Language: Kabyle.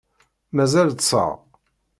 Mazal ṭṭseɣ.